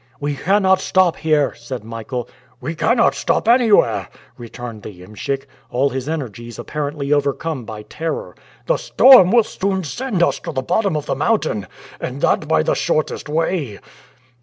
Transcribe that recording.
"We cannot stop here," said Michael. "We cannot stop anywhere," returned the iemschik, all his energies apparently overcome by terror. "The storm will soon send us to the bottom of the mountain, and that by the shortest way."